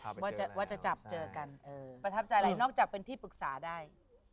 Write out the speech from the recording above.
ประทับใจอะไรนอกจากเป็นที่ปรึกษาได้